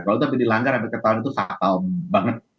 kalau itu dilanggar ambil ketahuan itu fatal banget